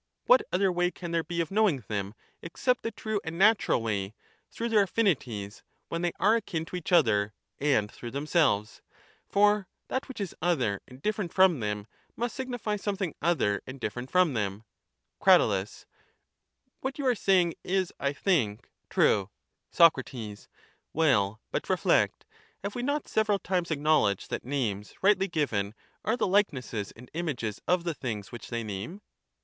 What other way can there be of knowing them, except the true and natural way, through their affinities, when they are akin to each other, and through themselves? For that which is TJie Hcrackitcan flux and the doctrine of ideas. 387 other and different from them must signify something other and different from them. Crat. What you are saying is, I think, true. 439 Sac. Well, but reflect ; have we not several times acknow ledged that names rightly given are the likenesses and images of the things which they name?